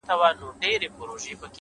اوس نه راکوي راته پېغور باڼه _